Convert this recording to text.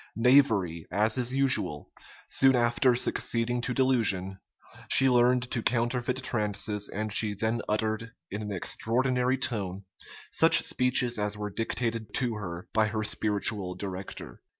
Knavery, as is usual, soon after succeeding to delusion, she learned to counterfeit trances and she then uttered, in an extraordinary tone, such speeches as were dictated to her by her spiritual director.